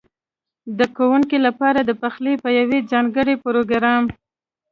ده کوونکو لپاره د پخلي په یوه ځانګړي پروګرام